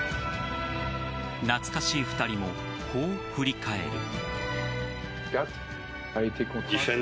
懐かしい２人もこう振り返る。